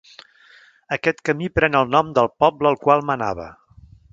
Aquest camí pren el nom del poble al qual menava.